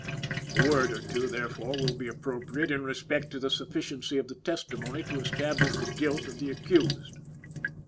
A word or two, therefore, will be appropriate in respect to the sufficiency of the testimony to establish the guilt of the accused.